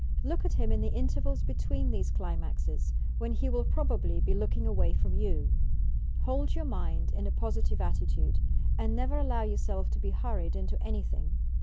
Look at him in the intervals between these climaxes, when he will probably be look ing away from you. Hold your mind in a positive at titude, and never allow yourself to be hurried into any thing!